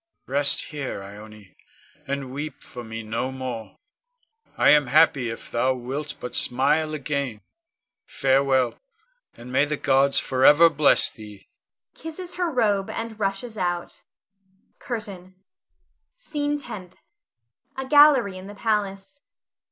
Rest here, Ione, and weep for me no more. I am happy if thou wilt but smile again. Farewell, and may the gods forever bless thee! [Kisses her robe, and rushes out.] CURTAIN. SCENE TENTH. [_A gallery in the palace.